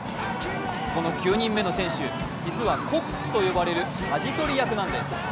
この９人目の選手、実はコックスと呼ばれるかじ取り役なんです。